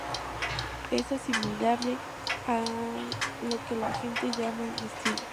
Es asimilable a lo que la gente llama "el destino".